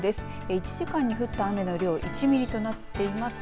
１時間に降った雨の量１ミリとなっています。